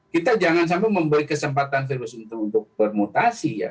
kita jangan sampai memberi kesempatan virus ini untuk bermutasi ya